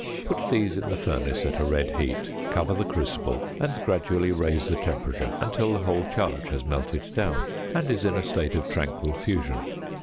Put these in the furnace at a red heat, cover the crucible, and gradually raise the temperature until the whole charge has melted down and is in a state of tranquil fusion.